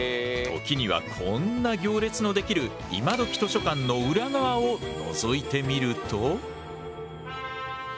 時にはこんな行列の出来る今どき図書館の裏側をのぞいてみると。